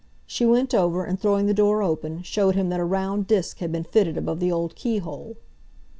She went over, and throwing the door open, showed him that a round disk had been fitted above the old keyhole.